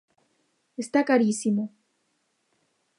Está carísimo.